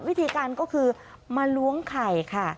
วิธีการก็คือมาล้วงไข่ค่ะ